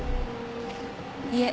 いえ。